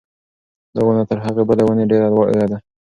دا ونه تر هغې بلې ونې ډېره لویه ده.